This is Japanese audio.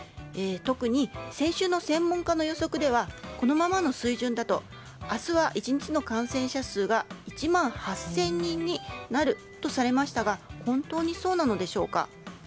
特に、先週の専門家の予測ではこのままの水準だと明日は１日の感染者数が１万８０００人になるとされましたが本当にそうなのでしょうか。